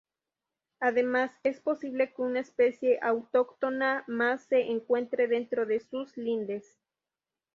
Además, es posible que una especie autóctona más se encuentre dentro de sus lindes.